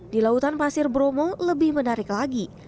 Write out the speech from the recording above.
di lautan pasir bromo lebih menarik lagi